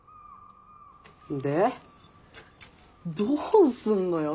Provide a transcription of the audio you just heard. でどうすんのよ？